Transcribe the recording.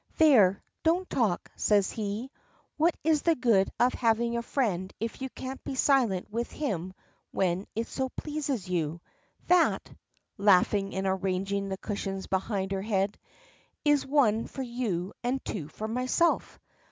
"There, don't talk," says he. "What is the good of having a friend if you can't be silent with him when it so pleases you. That," laughing, and arranging the cushions behind her head, "is one for you and two for myself.